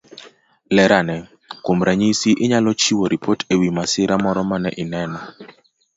Ler ane. Kuom ranyisi, inyalo chiwo ripot e wi masira moro mane ineno